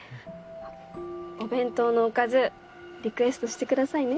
お弁当のおかずリクエストしてくださいね。